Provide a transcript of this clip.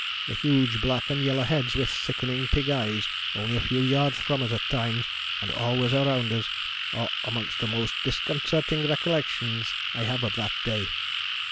The huge black and yellow heads with sickening pig eyes only a few yards from us at times, and always around us, are among the most disconcerting recollections I have of that day.